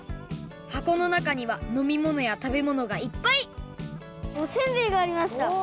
はこのなかにはのみ物や食べ物がいっぱいおせんべいがありました。